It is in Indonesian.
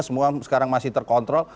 semua sekarang masih terkontrol